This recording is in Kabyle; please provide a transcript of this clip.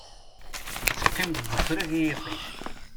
Teqqim deg ufrag i yiṭij.